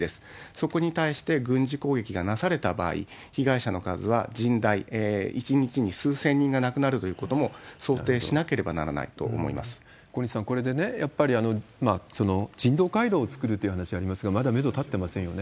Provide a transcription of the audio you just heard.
そこに対して、軍事攻撃がなされた場合、被害者の数は甚大、１日に数千人が亡くなるということも想定しなければならないと思小西さん、これでね、やっぱり人道回廊を作るという話がありますが、まだメド立ってませんよね。